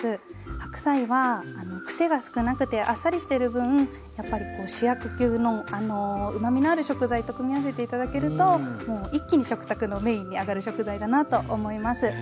白菜は癖が少なくてあっさりしてる分やっぱり主役級のうまみのある食材と組み合わせて頂けるともう一気に食卓のメインに上がる食材だなと思います。